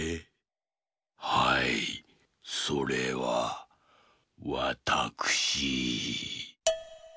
はいそれはわたくしー。